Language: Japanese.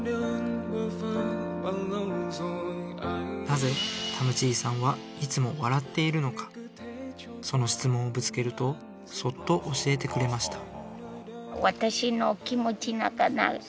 なぜタム・チーさんはいつも笑っているのかその質問をぶつけるとそっと教えてくれました